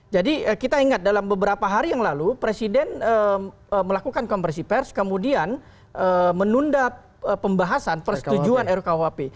jadi kita ingat dalam beberapa hari yang lalu presiden melakukan konversi pers kemudian menunda pembahasan persetujuan ru kuhp